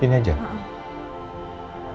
pudingnya aja dulu biar aku seger ini udah gak enak sekali